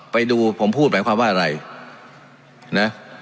ไปดูผมพูดหมายความว่าอะไรนะ